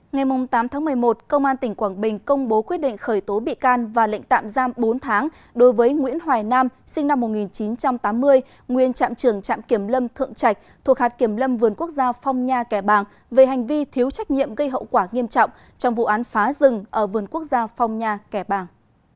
ngày tám tháng một mươi một công an tỉnh quảng bình công bố quyết định khởi tố bị can và lệnh tạm giam bốn tháng đối với nguyễn hoài nam sinh năm một nghìn chín trăm tám mươi nguyên trạm trưởng trạm kiểm lâm thượng trạch thuộc hạt kiểm lâm vườn quốc gia phong nha kẻ bàng về hành vi thiếu trách nhiệm gây hậu quả nghiêm trọng trong vụ án phá rừng ở vườn quốc gia phong nha kẻ bàng